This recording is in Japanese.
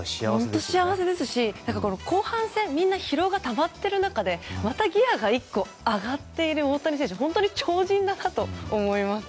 本当に幸せですし後半戦で疲れがたまっている中またギアが１個上がっている大谷選手は本当にすごいと思います。